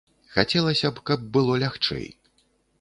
Хацелася б, каб было лягчэй.